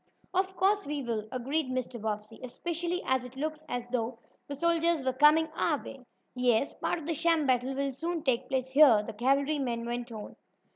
"Of course we will," agreed Mr. Bobbsey. "Especially as it looks as though the soldiers were coming our way." "Yes, part of the sham battle will soon take place here," the cavalryman went on.